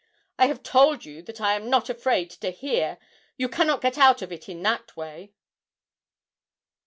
'I have told you that I am not afraid to hear you cannot get out of it in that way!'